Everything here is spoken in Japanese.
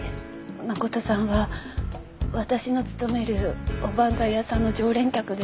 誠さんは私の勤めるおばんざい屋さんの常連客でした。